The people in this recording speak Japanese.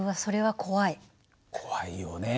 怖いよね。